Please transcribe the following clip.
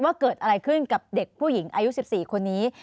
ว่าเกิดอะไรขึ้นกับเด็กผู้หญิงอายุ๑๔คนนี้